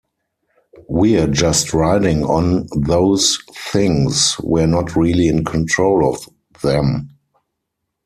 We're just riding on those things - we're not really in control of them.